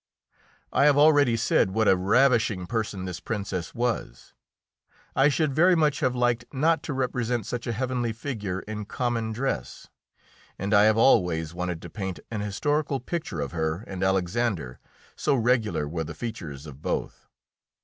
I have already said what a ravishing person this Princess was; I should very much have liked not to represent such a heavenly figure in common dress, and I have always wanted to paint an historical picture of her and Alexander, so regular were the features of both.